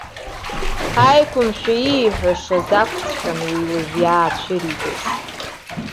Аиқәымшәа ииҳәашаз акәҵәҟьан уи уажә иаацәыригаз.